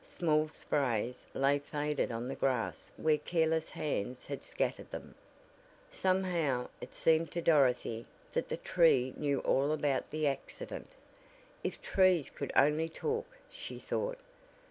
Small sprays lay faded on the grass where careless hands had scattered them. Somehow, it seemed to Dorothy that the tree knew all about the accident; if trees could only talk, she thought.